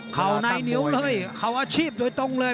เขาในเหนียวเลยเขาอาชีพโดยตรงเลย